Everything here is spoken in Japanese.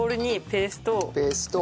ペースト。